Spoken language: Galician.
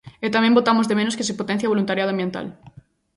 E tamén botamos de menos que se potencie o voluntariado ambiental.